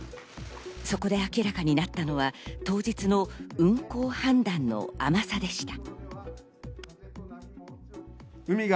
そこで明らかになったのは当日の運航判断の甘さでした。